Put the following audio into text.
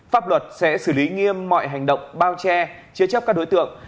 pháp luật sẽ xử lý nghiêm mọi hành động bao che chế chấp các đối tượng